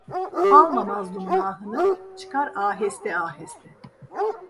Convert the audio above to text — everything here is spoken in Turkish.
Alma mazlumun ahını, çıkar aheste aheste.